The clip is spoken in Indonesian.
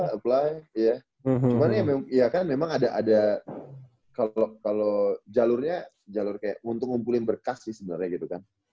udah apply cuman ya kan memang ada kalau jalurnya untuk ngumpulin berkas sih sebenarnya gitu kan